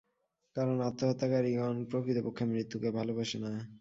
কারণ আত্মহত্যাকারিগণ প্রকৃতপক্ষে মৃত্যুকে ভালবাসে না।